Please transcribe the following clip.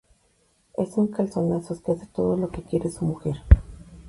Es un calzonazos que hace todo lo que quiere su mujer